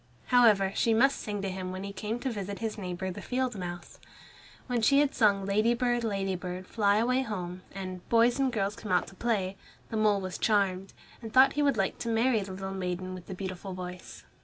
However she must sing to him when he came to visit his neighbor the field mouse. When she had sung "Ladybird, Ladybird, fly away home," and "Boys and girls come out to play," the mole was charmed, and thought he would like to marry the little maiden with the beautiful voice.